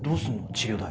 治療代」。